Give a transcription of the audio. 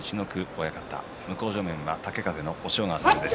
親方向正面は豪風の押尾川さんです。